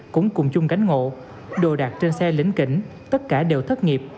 cũng cùng chung gánh ngộ đồ đạc trên xe lĩnh kinh tất cả đều thất nghiệp